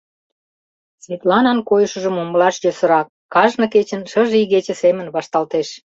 Светланан койышыжым умылаш йӧсырак: кажне кечын шыже игече семын вашталтеш.